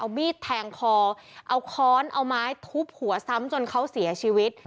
เอามีดแทงคอเอาค้อนเอาไม้ทุบหัวซ้ำจนเขาเสียชีวิต